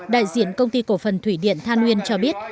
đại diện công ty cổ phần thủy điện than uyên cho biết